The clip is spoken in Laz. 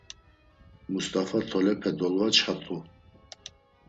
Must̆afa tolepe dolvaçxat̆u.